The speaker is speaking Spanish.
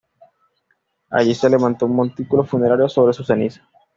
Allí se levantó un montículo funerario sobre sus cenizas.